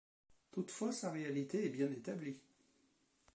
Toutefois sa réalité est bien établie.